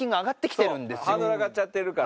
ハードル上がっちゃってるから。